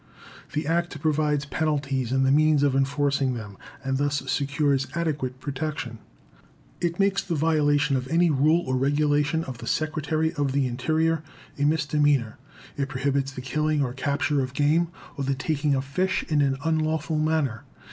The Act provides penalties and the means of enforcing them, and thus secures adequate protection. It makes the violation of any rule or regulation of the Secretary of the Interior a misdemeanor. It prohibits the killing or capture of game, or the taking of fish in an unlawful manner.